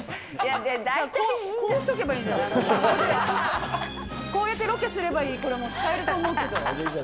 だからこうしておけばいいんじゃない。こうやってロケすればいい、これ使えると思うけど。